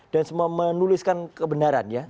dan semua menuliskan kebenaran ya